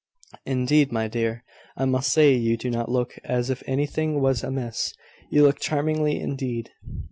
"Indeed, my dear, I must say you do not look as if anything was amiss. You look charmingly, indeed."